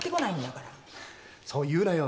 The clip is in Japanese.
そう言うなよ。